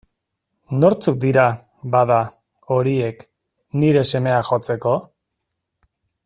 Nortzuk dira, bada, horiek, nire semea jotzeko?